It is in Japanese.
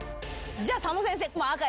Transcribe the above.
じゃあ佐野先生。